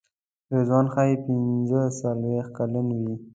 رضوان ښایي پنځه څلوېښت کلن وي.